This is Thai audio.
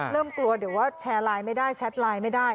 กลัวเดี๋ยวว่าแชร์ไลน์ไม่ได้แชทไลน์ไม่ได้